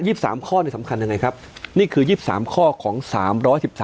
สามข้อนี่สำคัญยังไงครับนี่คือยี่สิบสามข้อของสามร้อยสิบสาม